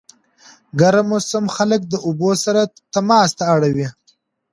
ګرم موسم خلک د اوبو سره تماس ته اړوي.